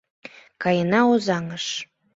Каена Озаҥыш.